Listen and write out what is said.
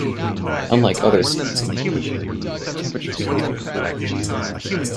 Unlike other cities in Indonesia, the temperature seems to be cooler.